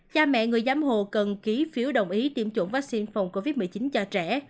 cha mẹ người giám hộ cần ký phiếu đồng ý tiêm chủng vaccine phòng covid một mươi chín cho trẻ